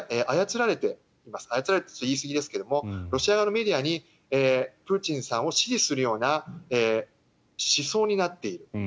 操られているといいすぎですがロシア側のメディアにプーチンさんを支持するような思想になっている。